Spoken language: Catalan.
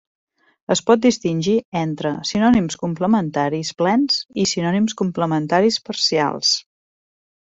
Es pot distingir entre sinònims complementaris plens i sinònims complementaris parcials.